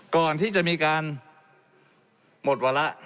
ก่อนที่จะมีการหมดวาระ